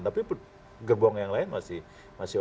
tapi gerbong yang lain masih